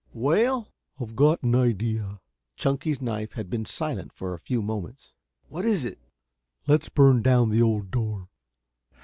"Well?" "I've got an idea." Chunky's knife had been silent for a few moments. "What is it?" "Let's burn down the old door."